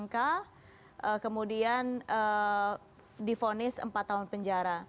kemudian ada lagi satu ya